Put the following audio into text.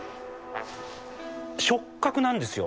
触角なんですよ。